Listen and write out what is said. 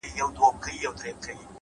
هره تجربه د پوهې نوی فصل دی؛